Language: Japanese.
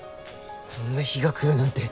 そんな日が来るなんて。